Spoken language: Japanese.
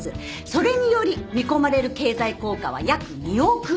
それにより見込まれる経済効果は約２億円。